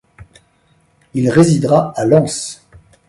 Il résidera à Lens.